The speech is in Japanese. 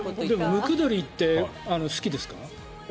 ムクドリって好きですか？